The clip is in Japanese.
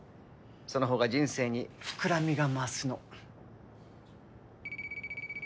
その方が人生に膨らみが増すの。